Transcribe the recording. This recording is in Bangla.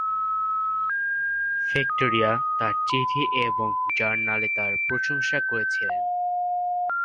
ভিক্টোরিয়া তার চিঠি এবং জার্নালে তাঁর প্রশংসা করেছিলেন।